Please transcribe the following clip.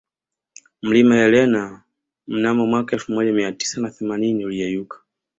Mlima Helena mnamo mwaka elfu moja miatisa na themanini uliyeyuka